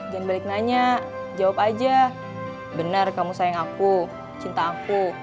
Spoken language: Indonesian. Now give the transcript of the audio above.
jangan balik nanya jawab aja benar kamu sayang aku cinta aku